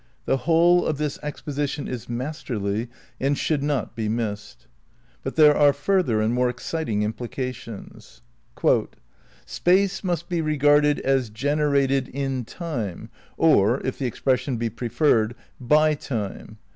The whole of this exposition is masterly and should not be missed. )i But there are further and more exciting implications. "Space must be regarded as generated in Time, or, if the ex pression be preferred, by Time.